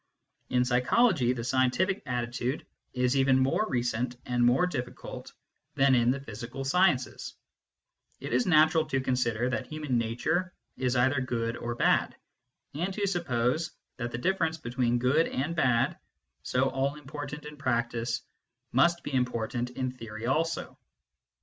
In psychology, the scientific attitude is even more recent and more difficult than in the physical sciences : it is natural to consider that human nature is either good or bad, and to suppose that the difference between good and bad, so all important in practice, must be important in theory also.